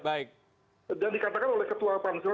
baik dan dikatakan oleh ketua pansel